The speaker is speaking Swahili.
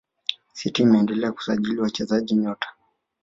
city imeendelea kusajili wachezaji nyota